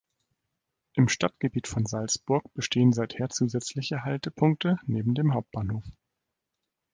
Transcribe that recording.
Im Stadtgebiet von Salzburg bestehen seither zusätzliche Haltepunkte neben dem Hauptbahnhof.